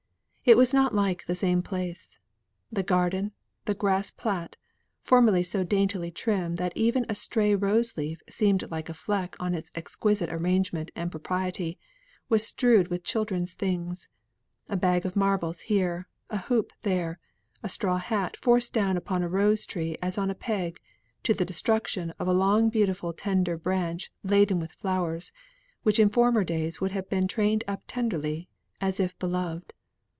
It was not like the same place. The garden, the grass plat, formerly so daintily trim that even a stray rose leaf seemed like a fleck on the exquisite arrangement and propriety, was strewed with children's things; a bag of marbles here, a hoop there; a straw hat forced down upon a rose tree as on a peg, to the destruction of a long beautiful tender branch laden with flowers, which in former days would have been trained up tenderly, as if beloved.